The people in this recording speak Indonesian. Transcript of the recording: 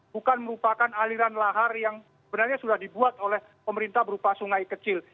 bukan merupakan aliran lahar yang sebenarnya sudah dibuat oleh pemerintah berupa sungai kecil